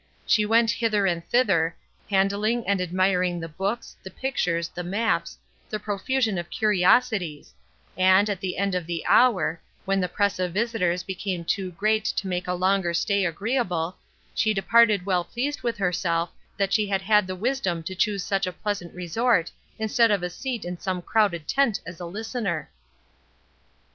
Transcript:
She went hither and thither, handling and admiring the books, the pictures, the maps, the profusion of curiosities, and, at the end of the hour, when the press of visitors became too great to make a longer stay agreeable, she departed well pleased with herself that she had had the wisdom to choose such a pleasant resort instead of a seat in some crowded tent as a listener.